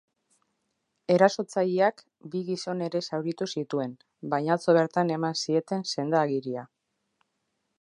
Erasotzaileak bi gizon ere zauritu zituen, baina atzo bertan eman zieten senda-agiria.